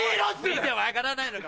見て分からないのか？